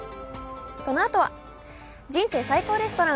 このあとは「人生最高レストラン」。